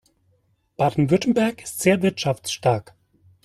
Baden-Württemberg ist sehr wirtschaftsstark.